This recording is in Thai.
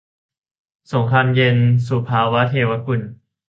สงครามเย็น - สุภาว์ เทวกุล